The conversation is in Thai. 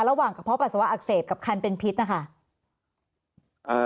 ระหว่างกระเพาะปัสสาวะอักเสบกับคันเป็นพิษนะคะ